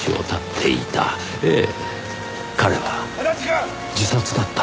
ええ彼は自殺だったんです。